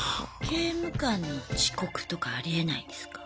刑務官の遅刻とかありえないんですか？